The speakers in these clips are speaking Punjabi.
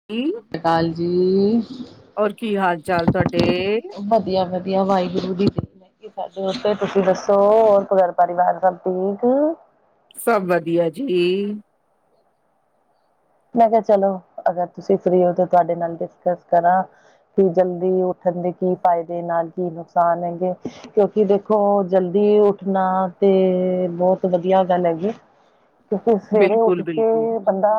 ਸਤ ਜੀ ਸ੍ਰੀ ਅਕਾਲ ਜੀ, ਔਰ ਕੀ ਹਾਲ ਚਾਲ ਤੁਹਾਡੇ ਵਧੀਆ ਫੇਰ। ਧ ਵਾਹਿਗੁਰੂ ਦੀ ਮਿਹਰ ਦ ਤੁਸੀਂ ਦੱਸੋ ਹੋਰ ਘਰ ਪਰਿਵਾਰ ਸਭ ਠੀਕ? ਸਭ ਵਧੀਆ ਜੀ। ਮੈਂ ਕਿਹਾ ਚਲੋ ਅਗਰ ਤੁਸੀਂ ਫਰੀ ਹੋ ਤਾਂ ਤੁਹਾਡੇ ਨਾਲ ਡਿਸਕਸ ਕਰਾਂ। ਕਿ ਜਲਦੀ ਉੱਠਣ ਦੇ ਕੀ ਫਾਇਦੇ, ਨਾਲ ਕੀ ਨੁਕਸਾਨ ਹੈਗੇ। ਕਿਉਂਕਿ ਦੇਖੋ ਜਲਦੀ ਉੱਠਣਾ ਤੇ ਬਹੁਤ ਵਧੀਆ ਗੱਲ ਹੈਗੀ ਐਂ। ਕਿਉਕਿ ਸਵੇਰੇ ਉੱਠ ਬਿਲਕੁਲ ਬਿਲਕੁਲ ਕੇ ਬੰਦਾ,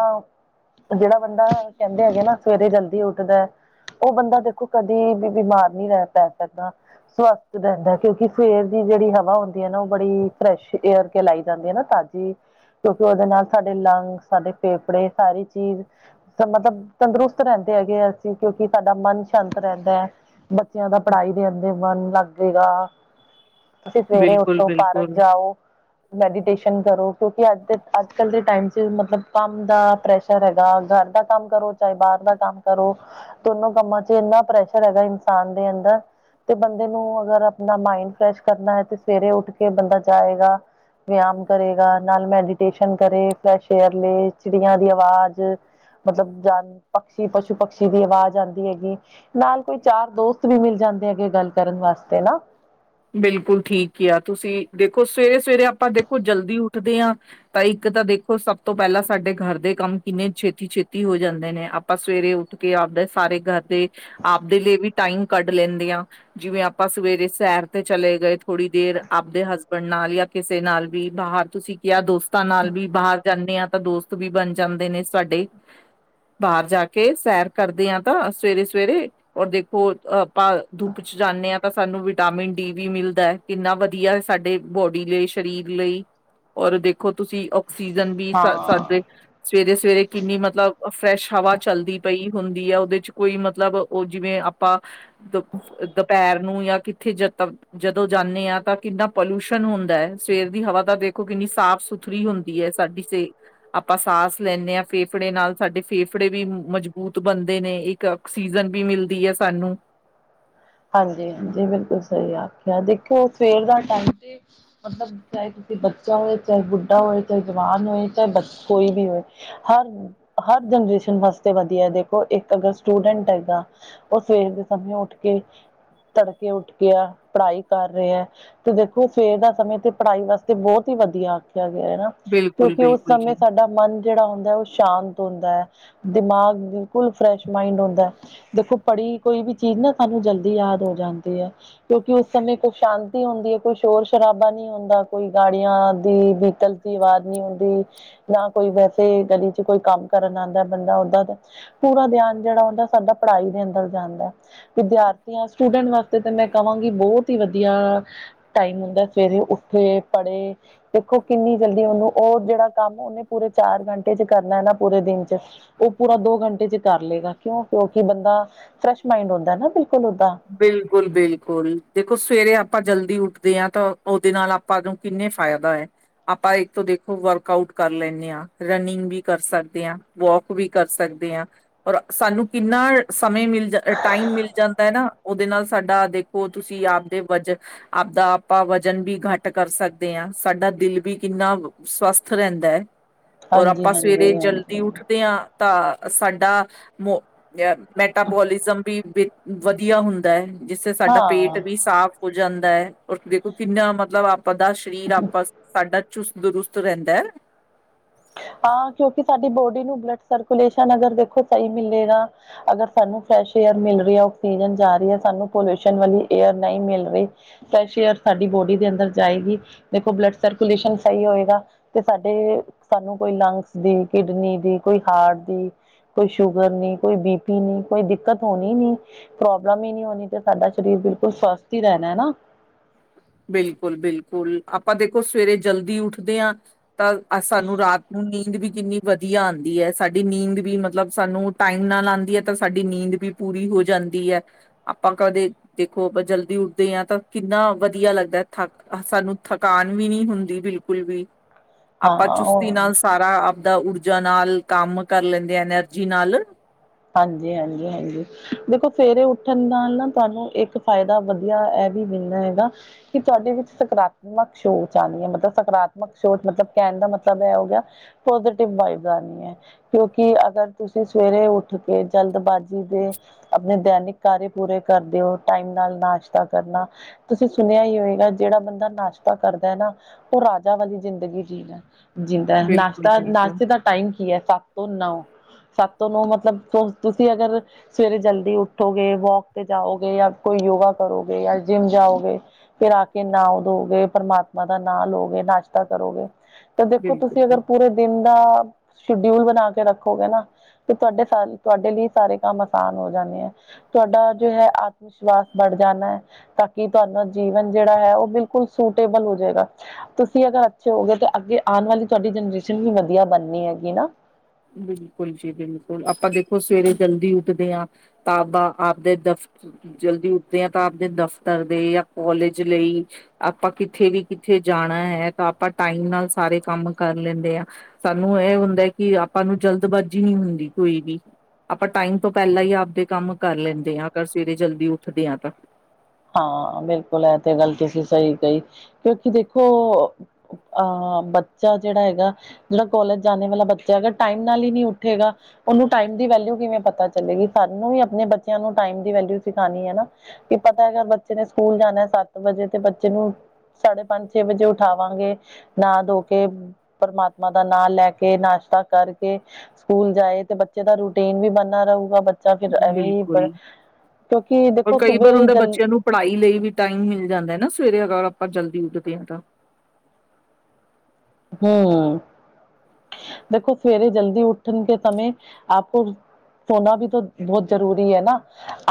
ਜਿਹੜਾ ਬੰਦਾ ਕਹਿੰਦਾ ਹੈਗੇ ਨਾ ਸਵੇਰੇ ਜਲਦੀ ਉੱਠਦਾ ਹੈ। ਉਹ ਬੰਦਾ ਦੇਖੋ ਕਦੇ ਵੀ ਬਿਮਾਰ ਨਹੀਂ ਰਹਿ ਪੈ ਸਕਦਾ। ਸਵਸਥ ਰਹਿੰਦਾ ਕਿਉਂਕਿ ਫਵੇਰ ਦੀ ਜਿਹੜੀ ਹਵਾ ਹੁੰਦੀ ਹੈ ਨਾ ਉਹ ਬੜੀ ਫਰੈਸ਼ ਏਅਰ, ਕੇ ਲਾਈ ਜਾਂਦੀ ਹੈ ਨਾ ਤਾਜ਼ੀ ਕਿਉਂਕਿ ਉਹਦੇ ਨਾਲ ਸਾਡੇ ਲੰਗਸ, ਸਾਡੇ ਫੇਫੜੇ, ਸਾਰੀ ਚੀਜ਼- ਮਤਲਬ ਤੰਦਰੁਸਤ ਰਹਿੰਦੇ ਹੈਗੇ ਅਸੀਂ ਕਿਉਂਕਿ ਸਾਡਾ ਮਨ ਸ਼ਾਂਤ ਰਹਿੰਦਾ ਹੈ। ਬੱਚਿਆਂ ਦਾ ਪੜਾਈ ਦੇ ਆਂਦਰ ਮਨ ਲੱਗੇਗਾ। ਤੁਸੀਂ ਸਵੇਰੇ ਬਿਲਕੁਲ ਉੱਠੋ ਪਾਰਕ ਬਿਲਕੁਲ ਜਾਓ, ਮੈਡੀਟੇਸ਼ਨ ਕਰੋ ਕਿਉਂਕਿ ਅੱਜ ਦੇ ਅੱਜ ਕੱਲ ਦੇ ਟਾਈਮ 'ਚ ਮਤਲਬ ਕੰਮ ਦਾ, ਪ੍ਰੈਸ਼ਰ ਹੈਗਾ, ਘਰ ਦਾ ਕੰਮ ਕਰੋ ਚਾਹੇ ਬਾਹਰ ਦਾ ਕੰਮ ਕਰੋ- ਦੋਨੋ ਕੰਮਾਂ ਚ ਇੰਨਾ ਪ੍ਰੈਸ਼ਰ ਹੈਗਾ ਇਨਸਾਨ ਦੇ ਅੰਦਰ। ਤੇ ਬੰਦੇ ਨੂੰ ਅਗਰ ਆਪਣਾ ਮਾਈੰਡ ਫਰੈਸ਼ ਕਰਨਾ ਹੈ ਤੇ ਸਵੇਰੇ ਉੱਠ ਕੇ ਬੰਦਾ ਜਾਏਗਾ। ਵਿਆਮ ਕਰੇਗਾ ਨਾਲ ਮੈਡੀਟੇਸ਼ਨ ਕਰੇ, ਫਰੈਸ਼ ਏਅਰ ਲਏ, ਚਿੜੀਆਂ ਦੀ ਆਵਾਜ਼। ਮਤਲਬ 'ਜ, ਪਸ਼ੀ-ਪਸ਼ੂ, ਪਕਸ਼ੀ ਦੀ ਆਵਾਜ਼ ਆਉਂਦੀ ਹੈਗੀ। ਨਾਲ ਕੋਈ ਚਾਰ ਦੋਸਤ ਵੀ ਮਿਲ ਜਾਂਦੇ ਹੈਗੇ, ਗੱਲ ਕਰਨ ਵਾਸਤੇ ਨਾ। ਬਿਲਕੁਲ ਠੀਕ ਕਿਆ ਤੁਸੀਂ, ਦੇਖੋ ਸਵੇਰੇ-ਸਵੇਰੇ ਆਪਾਂ, ਦੇਖੋ ਜਲਦੀ ਉੱਠਦੇ ਹਾਂ ਤਾਂ ਇੱਕ ਤਾਂ ਦੇਖੋ, ਸਭ ਤੋਂ ਪਹਿਲਾਂ ਸਾਡੇ ਘਰ ਦੇ ਕੰਮ, ਕਿੰਨੇ ਛੇਤੀ-ਛੇਤੀ ਹੋ ਜਾਂਦੇ ਨੇ ਆਪਾਂ ਸਵੇਰੇ ਉੱਠ ਕੇ, ਆਪਦੇ ਸਾਰੇ ਘਰ ਦੇ, ਆਪਦੇ ਲ ਵੀ ਟਾਈਮ ਕੱਢ ਲੈਂਦੇ ਹਾਂ। ਜਿਵੇਂ ਆਪਾਂ ਸਵੇਰੇ ਸੈਰ ਤੇ ਚਲੇ ਗਏ ਥੋੜ੍ਹੀ ਦੇਰ, ਆਪਦੇ ਹ ਣ ਨਾਲ ਜਾਂ ਕਿਸੇ ਨਾਲ ਵੀ ਬਾਹਰ, ਤੁਸੀਂ ਕਿਹਾ ਦੋਸਤਾਂ ਨਾਲ ਵੀ ਬਾਹਰ ਜਾਂਦੇ ਆ, ਤਾਂ ਦੋਸਤ ਵੀ ਬਣ ਜਾਂਦੇ ਨੇ ਸਾਡੇ ਬਾਹਰ ਜਾ ਕੇ, ਸੈਰ ਕਰਦੇ ਹ ਤਾਂ ਸਵੇਰੇ-ਸਵੇਰੇ। ਔਰ ਦੇਖੋ, ਆਪਾਂ ਧੁੱਪ 'ਚ ਜਾਂਦੇ ਹਾਂ ਤਾਂ ਸਾਨੂੰ ਵਿਟਾਮਿਨ ਡੀ ਵੀ ਮਿਲਦਾ ਹੈ, ਕਿੰਨਾ ਵਧੀਆ ਸਾਡੇ ਬੋਡੀ ਲਈ, ਸਰੀਰ ਲਈ ਔਰ ਦੇਖੋ ਤੁਸੀਂ, ਆਕਸੀਜਨ ਵੀ ਸਾਡੇ ਸਵੇਰੇ-ਸਵੇਰੇ ਕਿੰਨੀ ਮਤਲਬ, ਫਰੈਸ਼ ਹਵਾ ਚੱਲਦੀ ਪਈ ਹੁੰਦੀ ਹੈ, ਉਹਦੇ 'ਚ ਕੋਈ ਮਤਲਬ ਉਹ ਜਿਵੇਂ ਆਪਾਂ, 'ਦ ਦੁਪਹਿਰ ਨੂੰ ਜਾਂ ਕਿੱਥੇ ਜ ਜਦੋਂ ਜਾਂਦੇ ਹਾਂ ਤਾਂ, ਕਿੰਨਾ ਪੋਲਊਸ਼ਨ ਹੁੰਦਾ ਹੈ। ਸਵੇਰ ਦੀ ਹਵਾ ਤਾਂ ਦੇਖੋ, ਕਿੰਨੀ ਸਾਫ਼ ਸੁਥ ਸੂਥਰੀ ਹੁੰਦੀ ਹੈ, ਸਾਡੀ ਸੇ ਆਪਾਂ ਸਾਸ ਲੈਂਦੇ ਹਾਂ ਫੇਫੜੇ ਨਾਲ, ਸਾਡੇ ਫੇਫੜੇ ਵੀ ਮਜ਼ਬੂਤ ਬਣਦੇ ਨੇ ਆਕਸੀਜਨ ਵੀ ਮਿਲਦੀ ਹੈ, ਸਾਨੂੰ। ਹਾਂਜੀ ਹਾਂਜੀ, ਬਿਲਕੁਲ ਸਹੀ ਆਖਿਆ, ਦੇਖਿਓ ਸਵੇਰ ਦਾ ਟਾਈਮ ਤੇ ਮਤਲਬ ਚਾਹੇ ਤੁਸੀਂ ਬੱਚਾ ਹੋਏ, ਚਾਹੇ ਬੁੱਢਾ ਹੋਏ, ਚਾਹੇ ਜਵਾਨ ਹੋਏ, ਚਾਹੇ ਕੋਈ ਵੀ ਹੋਏ ਹਰ, ਹਰ ਜਨਰੇਸ਼ਨ ਵਾਸਤੇ ਵਧੀਆ, ਦੇਖੋ ਇੱਕ ਅਗਰ ਸਟੂਡੈਂਟ ਹੈਗਾ ਉਹ ਸਵੇਰ ਦੇ ਸਮੇਂ ਉੱਠ ਕੇ ਤੜਕੇ ਉੱਠ ਕੇ ਗਿਆ, ਪੜ੍ਹਾਈ ਕਰ ਰਹੇ ਆ ਤੇ ਦੇਖੋ ਸਵੇਰ ਤਾਂ ਸਮੇਂ ਤੇ, ਪੜ੍ਹਾਈ ਵਾਸਤੇ ਬਹੁਤ ਹੀ ਵਧੀਆ ਆਖਿਆ ਗਿਆ ਹੈਾ। ਬਿਲਕੁਲ ਕਿਉਂਕਿ, ਉਸ ਬਿਲਕੁਲ ਸਮੇਂ ਜੀ ਸਾਡਾ ਮਨ ਜਿਹੜਾ ਹੁੰਦਾ, ਉਹ ਸ਼ਾਂਤ ਹੁੰਦਾ ਹੈ, ਦਿਮਾਗ ਬਿਲਕੁਲ ਫਰੈਸ਼ ਮਾਇੰਡ ਹੁੰਦਾ ਹੈ। ਦੇਖੋ ਪੜ੍ਹੀ ਕੋਈ ਵੀ ਚੀਜ਼ ਨਾ, ਸਾਨੂੰ ਜਲਦੀ ਯਾਦ ਹੋ ਜਾਂਦੀ ਹੈ। ਕਿਉਂਕਿ ਉਸ ਸਮੇਂ, ਕੋਈ ਸ਼ਾਂਤੀ ਹੁੰਦੀ ਹੈ। ਕੋਈ ਸ਼ੋਰ ਸ਼ਰਾਬਾ ਨਹੀਂੀ ਹੁੰਦਾ, ਕੋਈ ਗਾੜੀਆਂ ਦੀ ਵਿਕਲ ਆਵਾਜ਼ ਨਹੀਂ ਹੁੰਦੀ, ਨਾ ਕੋਈ ਵੈਸੇ ਗਲੀ 'ਚ ਕੋਈ ਕੰਮ ਕਰਨ ਆਉਂਦਾ, ਬੰਦਾ ਓਦਾਂ ਦਾ ਪੂਰਾ ਧਿਆਨ ਜਿਹੜਾ ਹੁੰਦਾ, ਸਾਡਾ ਪੜ੍ਹਾਈ ਦੇ ਅੰਦਰ ਜਾਂਦਾ। ਵਿਦਿਆਰਥੀ ਸਟੂਡੈਂਟ ਵਾਸਤੇ ਤੇ ਮੈਂ ਕਹਾਂਗੀ, ਬਹੁਤ ਹੀ ਵਧੀਆ ਟਾਈਮ ਹੁੰਦਾ, ਸਵੇਰੇ ਉੱਠੇ ਪੜ੍ਹੇ ਦੇਖੋ, ਕਿੰਨੀ ਜਲਦੀ ਉਹਨੂੰ ਉਹ ਜਿਹੜਾ ਕੰਮ, ਉਹਨੇ ਪੂਰੇ ਚਾਰ ਘੰਟੇ 'ਚ ਕਰਨਾ ਹੈ ਨਾ ਪੂਰੇ ਦਿਨ 'ਚ ਉਹ ਪੂਰਾ ਦੋ ਘੰਟੇ 'ਚ ਕਰ ਲਏਗਾ ਕਿਉਂ, ਕਿਉਂਕਿ ਬੰਦਾ, ਫਰੈਸ਼ ਮਾਈੰਡ ਹੁੰਦਾ ਨਾ ਬਿਲਕੁਲ ਓਦਾ। ਬਿਲਕੁਲ ਬਿਲਕੁਲ, ਦੇਖੋ ਸਵੇਰੇ ਆਪਾਂ ਜਲਦੀ ਉੱਠਦੇ ਹਾਂ ਤਾਂ, ਉਹਦੇ ਨਾਲ ਆਪਾਂ ਨੂੰ ਕਿੰਨੇ ਫ਼ਾਇਦਾ ਹੈ। ਆਪਾਂ ਇੱਕ ਤੋਂ ਦੇਖੋ, ਵਰਕ ਆਊਟ ਕਰ ਲੈਂਦੇ ਹਾਂ, ਰਨਿੰਗ ਵੀ ਕਰ ਸਕਦੇ ਹਾਂ। ਵੋਕ ਵੀ ਕਰ ਸਕਦੇ ਹਾਂ, ਔਰ ਸਾਨੂੰ ਕਿੰਨਾ ਸਮੇਂ ਮਿਲ, ਟਾਈਮ ਮਿਲ ਜਾਂਦਾ ਹੈ ਨਾ, ਉਹਦੇ ਨਾਲ ਸਾਡਾ ਦੇਖੋ, ਤੁਸੀਂ ਆਪਦੇ ਵਜਨ ਆਪਦਾ ਆਪਾਂ, ਵਜ਼ਨ ਵੀ ਘੱਟ ਕਰ ਸਕਦੇ ਹਾਂ। ਸਾਡਾ ਦਿਲ ਵੀ, ਕਿੰਨਾ ਸਵਸਥ ਰਹਿੰਦਾ ਹੈ। ਔਰ ਹਾਂਜੀ ਆਪਾਂ, ਹਾਂਜੀ ਸਵੇਰੇ ਜਲਦੀ ਹਾਂਜੀ ਉੱਠਦੇ ਹਾਂ। ਤਾਂ ਸਾਡਾ ਮ, ਮੈਟਾਬੋਲਿਜ਼ਮ ਵੀ ਵਧੀਆ ਹੁੰਦਾ ਹੈ, ਜਿਸੇ ਸਾਡਾ ਪੇਟ ਹਾਂ ਵੀ ਸਾਫ਼ ਹੋ ਜਾਂਦਾ ਹੈ, ਰ ਦੇਖੋ ਕਿੰਨਾ ਮਤਲਬ, ਆਪ ਦਾ ਸਰੀਰ ਆਪ ਸਾਡਾ ਚੁਸਤ-ਦਰੁਸਤ ਰਹਿੰਦਾ ਹੈ। ਹਾਂ! ਕਿਉਂਕਿ ਸਾਡੀ ਬੋਡੀ ਨੂੰ ਬਲੱਡ ਸਰਕੂਲੇਸ਼ਨ ਅਗਰ ਦੇਖੋ ਸਹੀ ਮਿਲੇਗਾ। ਅਗਰ ਸਾਨੂੰ ਫਰੈਸ਼ ਏਅਰ ਮਿਲ ਰਹੀ ਹੈ, ਆਕਸੀਜਨ ਜਾ ਰਹੀ ਹੈ, ਸਾਨੂੰ ਪੋਲਿਊਸ਼ਨ ਵਾਲੀ ਏਅਰ ਨਈ ਮਿਲ ਰਹੀ ਫਰੈਸ ਏਅਰ ਸਾਡੀ ਬੋਡੀ ਦੇ ਅੰਦਰ ਜਾਏਗੀ ਦੇਖੋ ਬਲੱਡ ਸਰਕੂਲੇਸ਼ਨ ਸਹੀ ਹੋਏਗਾ ਤੇ ਸਾਡੇ ਸਾਨੂੰ ਕੋਈ ਲੰਗਸ ਦੀ, ਕਿਡਨੀ ਦੀ, ਕੋਈ ਹਾਰਟ ਦੀ ਕੋਈ ਸ਼ੂਗਰ ਨੀ, ਕੋਈ ਬੀ ਪੀ ਨੀ, ਕੋਈ ਦਿੱਕਤ ਹੋਣੀ ਨੀ ਪ੍ਰੋਬਲਮ ਹੀ ਨੀ ਹੋਣੀ ਤੇ ਸਾਡਾ ਸਰੀਰ ਬਿਲਕੁਲ ਸਵਸਥ ਹੀ ਰਹਿਣਾ ਨਾ ਬਿਲਕੁਲ-ਬਿਲਕੁਲ ਆਪਾਂ ਦੇਖੋ ਸਵੇਰੇ ਜਲਦੀ ਉੱਠਦੇ ਆਂ ਤਾਂ ਅ ਸਾਨੂੰ ਰਾਤ ਨੂੰ ਨੀਂਦ ਵੀ ਕਿੰਨੀ ਵਧੀਆ ਆਂਦੀ ਹੈ, ਸਾਡੀ ਨੀਂਦ ਵੀ ਮਤਲਬ ਸਾਨੂੰ ਟਾਈਮ ਨਾਲ ਆਂਦੀ ਹੈ ਤਾਂ ਸਾਡੀ ਨੀਂਦ ਵੀ ਪੂਰੀ ਹੋ ਜਾਂਦੀ ਆ ਆਪਾਂ ਕਦੇ ਦੇਖੋ ਆਪਾਂ ਜਲਦੀ ਉੱਠਦੇ ਆ ਤਾਂ ਕਿੰਨਾ ਵਧੀਆ ਲੱਗਦਾ ਥੱਕ ਸਾਨੂੰ ਥਕਾਨ ਵੀ ਨੀ ਹੁੰਦੀ ਬਿਲਕੁਲ ਵੀ। ਆਪਾਂ ਹਾਂ ਚੁਸਤੀ ਉਹ ਨਾਲ ਸਾਰਾ ਆਪਦਾ ਊਰਜਾ ਨਾਲ ਕੰਮ ਕਰ ਲੈਂਦੇ ਆ ਐਨਰਜੀ ਨਾਲ ਹਾਂਜੀ-ਹਾਂਜੀ-ਹਾਂਜੀ ਦੇਖੋ ਸਵੇਰੇ ਉੱਠਣ ਨਾਲ ਨਾ ਤੁਹਾਨੂੰ ਇੱਕ ਫਾਇਦਾ ਵਧੀਆ ਐ ਵੀ ਮਿਲਦਾ ਹੈਗਾ ਕਿ ਤੁਹਾਡੇ ਵਿੱਚ ਸਕਰਾ ਰਾਤਮਕ ਸੋਚ ਆਂਦੀ ਏ ਮਤਲਬ ਸਕਾਰਾਤਮਕ ਸੋਚ ਮਤਲਬ ਕਹਿਣ ਦਾ ਮਤਲਬ ਐ ਹੋ ਗਿਆ ਪੋਜ਼ਟਿਵ ਵਾਈਬੀਜ ਆਣੀ ਏ ਕਿਉਂਕਿ ਅਗਰ ਤੁਸੀਂ ਸਵੇਰੇ ਉੱਠ ਕੇ ਜਲਦਬਾਜ਼ੀ ਦੇ ਆਪਣੇ ਦੈਨਿਕ ਕਾਰਯ ਪੂਰੇ ਕਰਦੇ ਹੋ ਟਾਈਮ ਨਾਲ ਨਾਸ਼ਤਾ ਕਰਨਾ ਤੁਸੀਂ ਸੁਣਿਆ ਹੀ ਹੋਏਗਾ ਜਿਹੜਾ ਬੰਦਾ ਨਾਸ਼ਤਾ ਕਰਦਾ ਏ ਨਾ ਓ ਰਾਜਾ ਵਾਲੀ ਜ਼ਿੰਦਗੀ ਜਿੰਨਾ। ਜਿੰਦਾ ਬਿਲਕੁਲ ਨਾਸ਼ਤਾ ਬਿਲਕੁਲ ਨਾਸ਼ਤੇ ਦਾ ਟਾਈਮ ਕੀ ਹੈ ਸੱਤ ਤੋਂ ਨੌ ਸੱਤ ਤੋਂ ਨੌ ਮਤਲਬ ਤੋਂ ਤੁਸੀਂ ਅਗਰ ਸਵੇਰੇ ਜਲਦੀ ਉੱਠੋਗੇ ਵੋਕ ਤੇ ਜਾਓਗੇ ਜਾਂ ਕੋਈ ਯੋਗਾ ਕਰੋਗੇ ਜਾਂ ਜਿੰਮ ਜਾਓਗੇ ਫਿਰ ਆ ਕੇ ਨਾਓ ਦੋਗੇ ਪਰਮਾਤਮਾ ਦਾ ਨਾਂ ਲਓਗੇ, ਨਾਸ਼ਤਾ ਕਰੋਗੇ ਤੇ ਦੇਖੋ ਬਿਲਕੁਲ ਤੁਸੀਂ ਅਗਰ ਪੂਰੇ ਦਿਨ ਦਾ ਸ਼ਡਿਊਲ ਬਣਾ ਕੇ ਰੱਖੋਗੇ ਨਾ ਤੇ ਤੁਹਾਡੇ ਸਾਰੇ ਤੁਹਾਡੇ ਲਈ ਸਾਰੇ ਕੰਮ ਆਸਾਨ ਹੋ ਜਾਣੇ ਐ ਤੁਹਾਡਾ ਜੋ ਹੈ ਆਤਮ- ਵਿਸ਼ਵਾਸ ਵੜ ਜਾਣਾ ਆ ਤਾਂ ਕਿ ਤੁਹਾਡਾ ਜੀਵਨ ਜਿਹੜਾ ਏ ਉਹ ਬਿਲਕੁਲ ਸੂਟੇਬਲ ਹੋ ਜੇਗਾ ਤੁਸੀਂ ਅਗਰ ਅੱਛੇ ਹੋ ਗਏ ਤਾਂ ਅੱਗੇ ਆਣ ਵਾਲੀ ਤੁਹਾਡੀ ਜਨਰੇਸ਼ਨ ਵੀ ਵਧੀਆ ਬਣਨੀ ਹੈਗੀ ਨਾ ਬਿਲਕੁਲ ਜੀ, ਬਿਲਕੁਲ, ਆਪਾਂ ਦੇਖੋ ਸਵੇਰੇ ਜਲਦੀ ਉੱਠਦੇ ਆ ਕਿਤਾਬਾਂ ਆਪਦੇ ਦਫ਼ ਜਲਦੀ ਉੱਠਦੇ ਆ ਤਾਂ ਆਬਦੇ ਦਫ਼ਤਰ ਦੇ ਜਾਂ ਕੋਲਜ ਲਈ ਆਪਾਂ ਕਿੱਥੇ ਵੀ ਕਿੱਥੇ ਜਾਣਾ ਏ ਤਾਂ ਆਪਾਂ ਟਾਈਮ ਨਾਲ ਸਾਰੇ ਕੰਮ ਕਰ ਲੈਂਦੇ ਆ ਸਾਨੂੰ ਐ ਹੁੰਦਾ ਕਿ ਆਪਾਂ ਨੂੰ ਜਲਦਬਾਜ਼ੀ ਨੀ ਹੁੰਦੀ ਕੋਈ ਵੀ ਆਪਾਂ ਟਾਈਮ ਤੋਂ ਪਹਿਲਾਂ ਹੀ ਆਪਦੇ ਕੰਮ ਕਰ ਲੈਂਦੇ ਆ, ਅਗਰ ਸਵੇਰੇ ਜਲਦੀ ਉੱਠਦੇ ਆ ਤਾਂ ਹਾਂ ਬਿਲਕੁਲ ਇਹ ਤੇ ਗੱਲ ਤੁਸੀਂ ਸਹੀ ਕਹੀ ਕਿਉਂਕਿ ਦੇਖੋ ਅਹ ਬੱਚਾ ਜੇੜਾ ਹੈਗਾ ਜੇੜਾ ਕੋਲਜ ਜਾਣੇ ਵਾਲਾ ਬੱਚਾ ਅਗਰ ਟਾਈਮ ਨਾਲ ਨੀ ਉੱਠੇਗਾ ਉਨੂੰ ਟਾਈਮ ਦੀ ਵੈਲਿਊ ਕਿਵੇਂ ਪਤਾ ਚਲੇਗੀ ਸਾਨੂੰ ਵੀ ਆਪਣੇ ਬੱਚਿਆਂ ਨੂੰ ਟਾਈਮ ਦੀ ਵੈਲਿਊ ਸਿਖਾਣੀ ਐ ਨਾ ਕੀ ਪਤਾ ਹੈਗਾ ਬੱਚੇ ਨੇ ਸਕੂਲ ਜਾਣਾ ਸੱਤ ਵਜੇ ਤੇ ਬੱਚੇ ਨੂੰ ਸਾਢੇ ਪੰਜ-ਛੇ ਵਜੇ ਉਠਾਵਾਂਗੇ ਨਾਹ ਧੋ ਕੇ ਪਰਮਾਤਮਾ ਦਾ ਨਾਂ ਲੈ ਕੇ ਨਾਸ਼ਤਾ ਕਰਕੇ ਸਕੂਲ ਜਾਏ ਤੇ ਬੱਚੇ ਦਾ ਰੂਟੀਨ ਵੀ ਬਨਾ ਰਹੂਗਾ ਬੱਚਾ ਫੇਰ ਐਵੀਂ ਪਰ ਬਿਲਕੁਲ ਕਿਉਂਕਿ ਦੇਖੋ ਸੁਬੇ। ਜਲ ਉਹਨੂੰ ਪੜ੍ਹਾਈ ਲਈ ਵੀ ਟਾਈਮ ਮਿਲ ਜਾਂਦਾ ਨਾ, ਸਵੇਰੇ ਅਗਰ ਆਪਾਂ ਜਲਦੀ ਉੱਠਦੇ ਆ ਤਾਂ। ਹੂੰ, ਦੇਖੋ ਸਵੇਰੇ ਜਲਦੀ ਉਠਣ ਕੇ ਸਮੇਂ ਆਪੋ ਸੋਨਾ ਵੀ ਤੋਂ ਬਹੁਤ ਜ਼ਰੂਰੀ ਹੈ ਨਾ,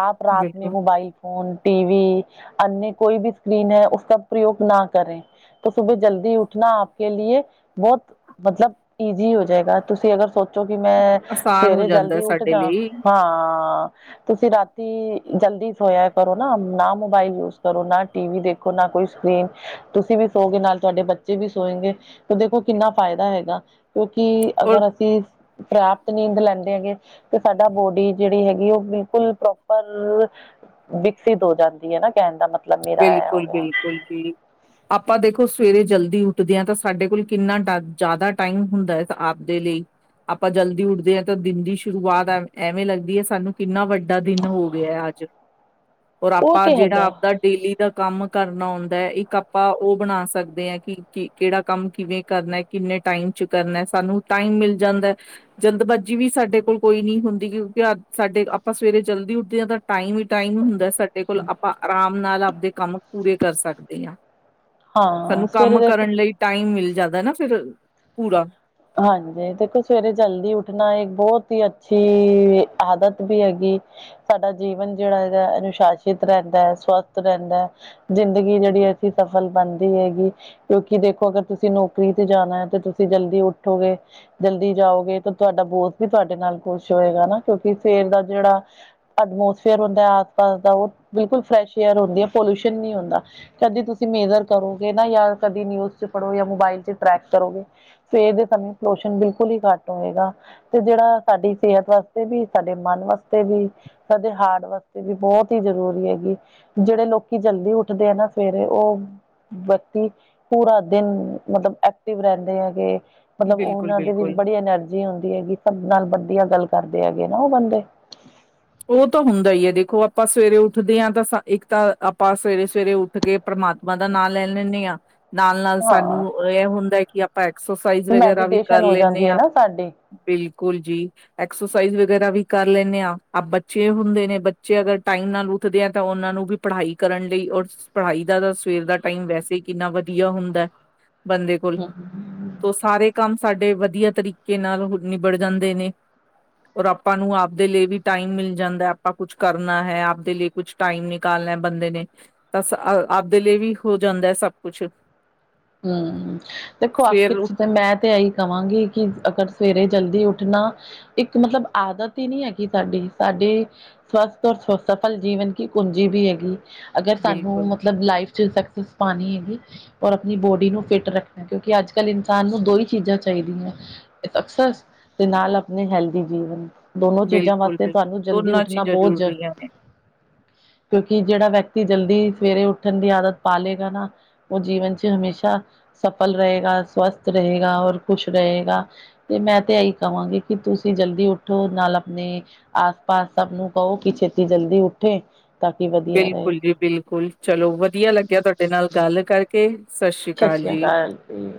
ਆਪ ਰਾਤ ਮੇ ਬਿਲਕੁਲ ਮੋਬਾਇਲ ਫੋਨ, ਟੀ ਵੀ, ਅਨਅ ਕੋਈ ਵੀ ਸਕਰੀਨ ਹੈ, ਉਸਕਾ ਪ੍ਰਯੋਗ ਨਾ ਕਰੇ। ਤੇ ਸੁਬੇ ਜਲਦੀ ਉਠਣਾ, ਕੇ ਲੀਏ, ਬਹੁਤ ਮਤਲਬ ਈਜ਼ੀ ਹੋ ਜਾਏਗਾ, ਤੁਸੀਂ ਅਗਰ ਸੋਚ ਚੋ ਕਿ ਮੈਂ, ਆਸਾਨ ਹੋ ਸਵੇਰੇ ਜਾਂਦਾ ਜਲਦੀ ਉੱਠ ਸਾਡੇ ਜਾ, ਲਈ ਹਾਂ। ਤੁਸੀਂ ਰਾਤੀ ਜਲਦੀ ਸੋਇਆ ਕਰੋ ਨਾ। ਨਾ ਮੋਬਾਈਲ ਯੂਜ ਕਰੋ, ਨਾ ਟੀ ਵੀ ਦੇਖੋ, ਨਾ ਕੋਈ ਸਕਰੀਨ। ਤੁਸੀਂ ਵੀ ਸੋਓਗੇ, ਨਾਲ ਤੁਹਾਡੇ ਬੱਚੇ ਵੀ ਸੋਏਗੇ ਤੇ ਦੇਖੋ ਕਿੰਨਾ ਫਾਇਦਾ ਹੈਗਾ, ਕਿਉਂਕਿ ਔਰ ਅਗਰ ਅਸੀਂ ਪ੍ਰਾਪਤ ਨੀਂਦ ਲੈਂਦੇ ਹੈਗੇ, ਤੇ ਸਾਡਾ ਬੋਡੀ ਜਿਹੜੀ ਹੈਗੀ ਉਹ ਬਿਲਕੁਲ ਪ੍ਰੋਪਰ, ਵਿਕਸਿਤ ਹੋ ਜਾਂਦੀ ਏ ਨਾ ਕਹਿਣ ਦਾ ਮਤਲਬ ਮੇਰਾ ਇਹ‌ ਹੋ ਆ। ਕੀ? ਆਪਾਂ ਦੇਖੋ ਸਵੇਰੇ ਜਲਦੀ ਉੱਠਦੇ ਆ, ਤਾਂ ਸਾਡੇ ਕੋਲ ਕਿੰਨਾ ਜਾਦਾ ਟਾਈਮ ਹੁੰਦਾ ਏ ਆਪ ਦੇ ਲਈ। ਆਪਾਂ ਜਲਦੀ ਉੱਠਦੇ ਆ, ਤਾਂ ਦਿਨ ਦੀ ਸ਼ੁਰੂਆਤ ਐਵੇਂ ਲੱਗਦੀ ਏ ਸਾਨੂੰ, ਕਿੰਨਾ ਵੱਡਾ ਦਿਨ ਹੋ ਗਿਆ ਅੱਜ। [inaudible] ਔਰ ਉਹ ਆਪਾਂ ਤੇ ਜਿਹੜਾ ਹੈਗਾ ਆਪਦਾ ਡੇਲੀ ਦਾ ਕੰਮ ਕਰਨਾ ਆਉਂਦਾ ਹੈ, ਇੱਕ ਆਪਾਂ ਉਹ ਬਣਾ ਸਕਦੇ ਹਾਂ ਕਿ ਕਿ ਕਿਹੜਾ ਕੰਮ, ਕਿਵੇਂ ਕਰਨਾ? ਕਿੰਨੇ ਟਾਈਮ 'ਚ ਕਰਨਾ, ਸਾਨੂੰ ਟਾਈਮ ਮਿਲ ਜਾਂਦਾ। ਜਲਦਬਾਜ਼ੀ ਵੀ ਸਾਡੇ ਕੋਲ ਕੋਈ ਨਹੀਂ ਹੁੰਦੀ, ਕਿਉਂਕਿ ਅੱ ਸਾਡੇ ਆਪਾਂ ਸਵੇਰੇ ਜਲਦੀ ਉੱਠਦੇ ਹਾਂ ਤਾਂ ਟਾਈਮ ਹੀ ਟਾਈਮ ਹੁੰਦਾ ਸਾਡੇ ਕੋਲ, ਆਪਾਂ ਆਰਾਮ ਨਾਲ ਆਵਦੇ ਕੰਮ ਪੂਰੇ ਕਰ ਸਕਦੇ ਆ। ਹਾਂ ਸਾਨੂੰ ਸਵੇਰੇ ਕੰਮ ਦੇਖ ਕਰਨ ਲਈ ਟਾਈਮ ਮਿਲ ਜਾਂਦਾ ਨਾ ਫਿਰ ਪੂਰਾ। ਹਾਂਜੀ। ਦੇਖੋ ਸਵੇਰੇ ਜਲਦੀ ਉੱਠਣਾ ਇੱਕ ਬਹੁਤ ਹੀ ਅੱਛੀ, ਆਦਤ ਵੀ ਹੈਗੀ। ਸਾਡਾ ਜੀਵਨ ਜਿਹੜਾ ਇਹਦਾ ਅਨੁਸ਼ਾਸਿਤ ਰਹਿੰਦਾ ਹੈ, ਸਵਸਥ ਰਹਿੰਦਾ ਹੈ। ਜ਼ਿੰਦਗੀ ਜਿਹੜੀ ਐਸੀ ਸਫਲ ਬਣਦੀ ਹੈਗੀ, ਕਿਉਂਕਿ ਦੇਖੋ ਅਗਰ ਤੁਸੀਂ ਨੌਕਰੀ ਤੇ ਜਾਣਾ ਹੈ ਤੇ ਤੁਸੀਂ ਜਲਦੀ ਉੱਠੋਗੇ। ਜਲਦੀ ਜਾਓਗੇ ਤਾਂ ਤੁਹਾਡਾ ਬੋਸ ਵੀ ਤੁਹਾਡੇ ਨਾਲ ਖੁਸ਼ ਹੋਏਗਾ ਨਾ, ਕਿਉਂਕਿ ਸਵੇਰੇ ਦਾ ਜਿਹੜਾ ਐਡਮੋਸਫੇਅਰ ਹੁੰਦਾ ਆਸ ਪਾਸ ਦਾ, ਉਹ ਬਿਲਕੁਲ ਫਰੈਸ਼ ਏਅਰ ਹੁੰਦੀ ਏ, ਪੋਲਿਊਸ਼ਨ ਨਹੀਂ ਹੁੰਦਾ। ਕਦੀ ਤੁਸੀਂ ਮੇਜਰ ਕਰੋਗੇ ਨਾ ਜਾਂ ਕਦੀ ਨਿਊਜ਼ ਚ ਪੜ੍ਹੋ ਜਾਂ ਮੋਬਾਇਲ ਚ ਟਰੈਕ ਕਰੋਗੇ, ਸਵੇਰ ਦੇ ਸਮੇਂ, ਪਲੋਸ਼ਨਣ ਬਿਲਕੁਲ ਹੀ ਘੱਟ ਹੋਵੇਗਾ। ਤੇ ਜਿਹੜਾ ਸਾਡੀ ਸਿਹਤ ਵਾਸਤੇ ਵੀ, ਸਾਡੇ ਮਨ ਵਾਸਤੇ ਵੀ, ਸਾਦੇ ਹਾਰਡ ਵਾਸਤੇ ਵੀ ਬਹੁਤ ਹੀ ਜ਼ਰੂਰੀ ਹੈਗੀ। ਜਿਹੜੇ ਲੋਕੀ ਜਲਦੀ ਉੱਠਦੇ ਆ ਨਾ ਸਵੇਰੇ ਉਹ ਵਿਅਕਤੀ, ਪੂਰਾ ਦਿਨ, ਮਤਲਬ ਐਕਟਿਵ ਰਹਿੰਦੇ ਹੈਗੇ। ਮਤਲਬ ਬਿਲਕੁਲ ਉਹਨਾਂ ਦੇ ਵਿੱਚ ਬਿਲਕੁਲ ਬੜੀ ਐਨਰਜੀ ਹੁੰਦੀ ਹੈਗੀ, ਸਭ ਨਾਲ ਵਧੀਆ ਗੱਲ ਕਰਦੇ ਹੈਗੇ ਨਾ ਉਹ ਬੰਦੇ। ਉਹ ਤਾਂ ਹੁੰਦਾ ਈ ਏ 'ਦੇਖੋ ਆਪਾਂ ਸਵੇਰੇ ਉੱਠਦੇ ਹਾਂ ਤਾਂ, ਇੱਕ ਤਾਂ ਆਪਾਂ ਸਵੇਰੇ- ਸਵੇਰੇ ਉੱਠ ਕੇ ਪਰਮਾਤਮਾ ਦਾ ਨਾਂ ਲੈ ਲੈਂਨੇ ਆ, ਨਾਲ- ਨਾਲ ਹਾਂ ਸਾਨੂੰ ਇਹ ਹੁੰਦਾ ਕਿ ਆਪ ਆਪਾਂ ਐਕਸਰਸਾਈਜ਼ ਵਗੈਰਾ ਵੀ ਕਰ ਮੈਡੀਟੇਸ਼ਨ ਹੋ ਲੈਂਨੇ ਜਾਂਦੀ ਹੈ ਆ। ਨਾ ਸਾਡੀ ਬਿਲਕੁਲ ਜੀ। ਐਕਸਰਸਾਈਜ਼ ਵਗੈਰਾ ਵੀ ਕਰ ਲੈਂਨੇ ਆ। ਬੱਚੇ ਹੁੰਦੇ ਨੇ, ਬੱਚੇ ਅਗਰ ਟਾਈਮ ਨਾਲ ਉੱਠਦੇ ਆ ਤਾਂ ਉਹਨਾਂ ਨੂੰ ਵੀ ਪੜ੍ਹਾਈ ਕਰਨ ਲਈ ਔਰ ਪੜ੍ਹਾਈ ਦਾ ਤਾਂ ਸਵੇਰ ਦਾ ਟਾਈਮ ਵੈਸੇ ਕਿੰਨਾ ਵਧੀਆ ਹੁੰਦਾ ਬੰਦੇ ਕੋਲ। ਤੌ ਸਾਰੇ ਕੰਮ ਸਾਡੇ ਵਧੀਆ ਤਰੀਕੇ ਨਾਲ ਨਿਬੜ ਜਾਂਦੇ ਨੇ। ਔਰ ਤਾਂਨੂੰ ਆਵਦੇ ਲਈ ਵੀ ਟਾਈਮ ਮਿਲ ਜਾਂਦਾ ਆਪਾਂ ਕੁਛ ਕਰਨਾ ਹੈ, ਆਪਦੇ ਲਈ ਕੁਛ ਟਾਈਮ ਨਿਕਾਲਣਾ ਬੰਦੇ ਨੇ। ਤਾ ਅ ਆਪ ਦੇ ਲਈ ਵੀ ਹੋ ਜਾਂਦਾ ਸਭ ਕੁਛ ਹੂੰ ਦੇਖੋ ਸਵੇਰ ਆਖਿਰ 'ਚ ਉੱਠ ਤੇ ਮੈਂ ਤੇ ਇਹੀ ਕਹਾਂਗੀ। ਕਿ ਅਗਰ ਸਵੇਰੇ ਜਲਦੀ ਉੱਠਣਾ ਇੱਕ ਮਤਲਬ ਆਦਤ ਈ ਨਈ ਹੈਗੀ ਸਾਡੀ-ਸਾਡੀ ਸਵਸਥ ਔਰ ਸਫਲ ਜੀਵਨ ਕੀ ਕੁੰਜੀ ਵੀ ਹੈਗੀ। ਅਗਰ ਸਾਨੂੰ ਬਿਲਕੁਲ ਮਤਲਬ ਲਾਈਫ 'ਚ ਸਕਸੈਸ ਪਾਣੀ ਹੈਗੀ। ਆਪਣੀ ਬੋਡੀ ਨੂੰ ਫਿੱਟ ਰੱਖਣਾ ਕਿਉਂਕਿ ਅੱਜ ਕੱਲ੍ਹ ਇਨਸਾਨ ਨੂੰ ਦੋ ਈ ਚੀਜ਼ਾਂ ਚਾਈਦੀਆਂ। ਅਕਸਰ ਦੇ ਨਾਲ ਆਪਣੇ ਹੈਲਦੀ ਜੀਵਨ ਦੋਨੋ ਚੀਜ਼ਾਂ ਬਿਲਕੁਲ ਵਾਸਤੇ ਸਾਨੂੰ ਬਿਲਕੁਲ ਜਲਦੀ ਦੋਨਾਂ ਉੱਠਣਾ ਚੀਜ਼ਾਂ ਬੋਤ ਜ ਜ਼ਰੂਰੀਆਂ ਨੇ ਕਿਉਂਕਿ ਜੇੜਾ ਵਿਅਕਤੀ ਜਲਦੀ ਸਵੇਰੇ ਉੱਠਣ ਦੀ ਆਦਤ ਪਾ ਲਏਗਾ ਨਾ ਓ ਜੀਵਨ 'ਚ ਹਮੇਸ਼ਾ ਸਫਲ ਰਏਗਾ ਸਵਸਥ ਰਏਗਾ ਔਰ ਖੁਸ਼ ਰਏਗਾ। ਤੇ ਮੈਂ ਤਾਂ ਇਹੀ ਕਵਾਂਗੀ ਕਿ ਤੁਸੀਂ ਜਲਦੀ ਉੱਠੋ ਨਾਲ ਆਪਣੇ ਆਸ ਪਾਸ ਸਭ ਨੂੰ ਕਹੋ ਕਿ ਛੇਤੀ ਜਲਦੀ ਉੱਠੇ। ਤਾਂ ਕਿ ਵਧੀਆ ਰਹੇ। ਬਿਲਕੁਲ ਜੀ ਬਿਲਕੁਲ ਚਲੋ ਵਧੀਆ ਲੱਗਿਆ ਤੁਹਾਡੇ ਨਾਲ ਗੱਲ ਕਰਕੇ ਸਤਿ ਸ਼੍ਰੀ ਸਤਿ ਸ਼੍ਰੀ ਅਕਾਲ ਜੀ।